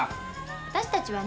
私たちはね